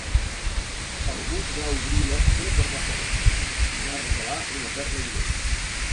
El bus va obrir l'ostra per la força i va revelar una perla lluent.